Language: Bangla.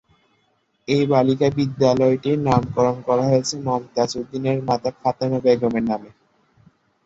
এই বালিকা বিদ্যালয়টির নামকরন করা হয়েছে মমতাজ উদ্দিনের মাতা ফাতেমা বেগমের নামে।